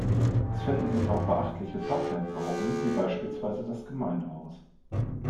Es finden sich auch beachtliche Fachwerkbauten, wie beispielsweise das Gemeindehaus.